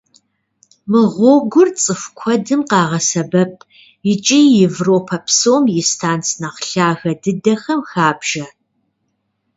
Мы гъуэгур цӀыху куэдым къагъэсэбэп икӀи Европэ псом и станц нэхъ лъагэ дыдэхэм хабжэ.